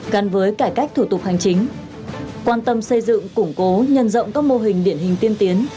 gắn với cải cách thủ tục hành chính quan tâm xây dựng củng cố nhân rộng các mô hình điển hình tiên tiến